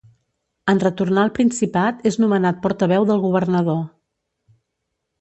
En retornar al Principat és nomenat portaveu del governador.